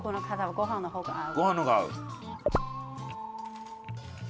ご飯の方が合う？